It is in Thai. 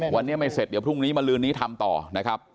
วันนี้ไม่เสร็จเดี๋ยวพรุ่งนี้มาลืนนี้ทำต่อนะครับ